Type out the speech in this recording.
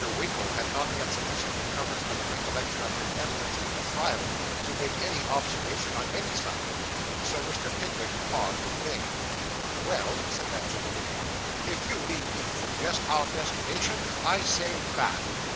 Winkle had not yet sufficiently recovered the recollection of his evidence at the trial, to make any observation on any subject, so Mr. Pickwick paused in vain. 'Well,' said that gentleman, 'if you leave me to suggest our destination, I say Bath.